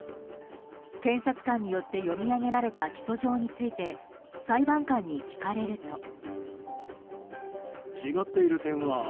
検察官によって読み上げられた起訴状について裁判官に聞かれると。